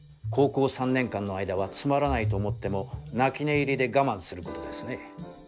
高校３年間の間はつまらないと思っても泣き寝入りで我慢することですね。